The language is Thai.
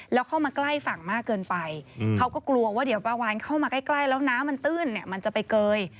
แล้วเข้ามาใกล้ฝั่งมากเกินไปเขาก็กลัวว่าเดี๋ยวปลาวานเข้ามาใกล้แล้วน้ำมันตื้นเนี่ยมันจะไปเกย